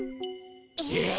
えっ？